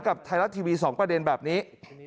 กับไทยรัฐทีวี๒ประเด็นแบบนี้